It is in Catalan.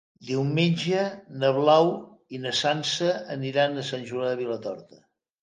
Diumenge na Blau i na Sança aniran a Sant Julià de Vilatorta.